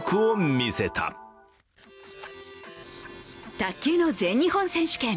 卓球の全日本選手権。